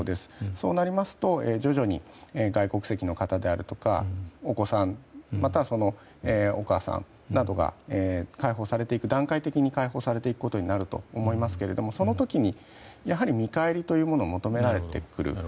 そうなりますと徐々に外国籍の方であるとかお子さん、またはそのお母さんなどが解放されていく段階的に解放されていくことになると思いますがその時に、やはり見返りというものを求められてくる。